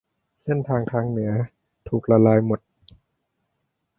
เส้นทางทางเหนือถูกละลายหมด